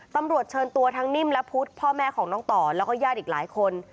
ตำรวจเชิญตัวทั้งนิ่มและพุทธพ่อแม่ของน้องต่อแล้วก็ญาติอีกหลายคน